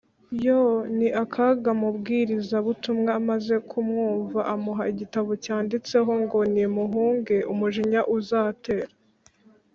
yoooo ni akaga Mubwirizabutumwa amaze kumwumva amuha igitabo cyanditseho ngo Nimuhunge umujinya uzatera,